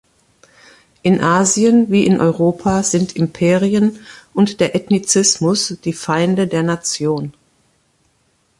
In Asien wie in Europa sind Imperien und der Ethnizismus die Feinde der Nation.